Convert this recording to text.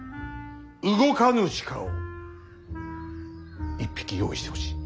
動かぬ鹿を１匹用意してほしい。